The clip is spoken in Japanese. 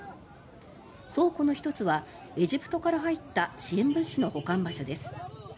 倉庫の１つはエジプトから入った支援物資の保管場所です。